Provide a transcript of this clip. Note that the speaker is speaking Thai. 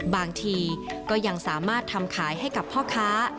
บางทีก็ยังสามารถทำขายให้กับพ่อค้า